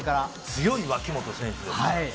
強い脇本選手ですからね。